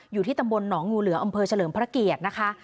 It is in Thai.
อยู่ที่ตำบลหนองงูเหลืออำเภอเฉลิมพระเกียรตินะคะ